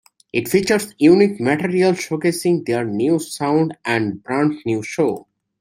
It features unique material showcasing their new sound and brand new show.